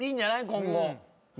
今後。